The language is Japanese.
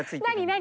何？